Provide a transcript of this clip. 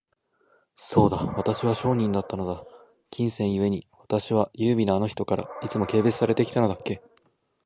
そうだ、私は商人だったのだ。金銭ゆえに、私は優美なあの人から、いつも軽蔑されて来たのだっけ。